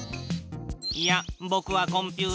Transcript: やあぼくはコンピュータ。